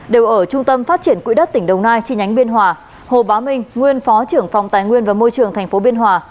đều ở trung tâm phát triển quỹ đất tỉnh đồng nai chi nhánh biên hòa hồ bá minh nguyên phó trưởng phòng tài nguyên và môi trường tp biên hòa